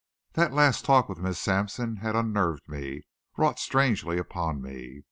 That last talk with Miss Sampson had unnerved me, wrought strangely upon me.